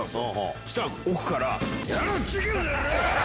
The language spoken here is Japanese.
そしたら奥から。